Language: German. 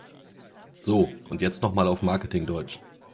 So, und jetzt noch mal auf Marketing-Deutsch!